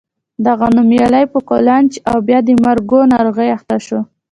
دغه نومیالی په قولنج او بیا د مرګو ناروغۍ اخته شو.